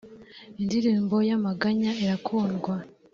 indirimbo y ‘amaganya irakundwa.